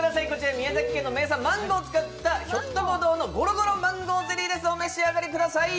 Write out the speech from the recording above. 宮崎県の名産、マンゴーを使ったひょっとこ堂のゴロゴロマンゴーゼリーです。